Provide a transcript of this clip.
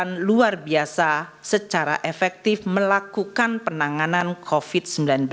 dan luar biasa secara efektif melakukan penanganan covid sembilan belas